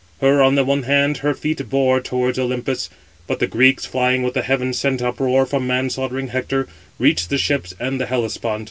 Her, on the one hand, her feet bore towards Olympus: but the Greeks, flying with a heaven sent uproar from man slaughtering Hector, reached the ships and the Hellespont.